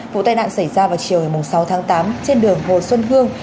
vụ tai nạn xảy ra vào chiều ngày sáu tháng tám trên đường hồ xuân hương